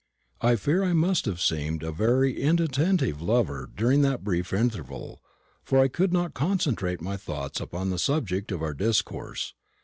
I fear I must have seemed a very inattentive lover during that brief interval, for I could not concentrate my thoughts upon the subject of our discourse.